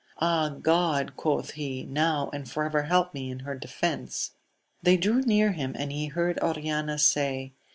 Ah, God ! quoth he, now and for ever help me in her defence ! They drew near him, and he heard Oriana say.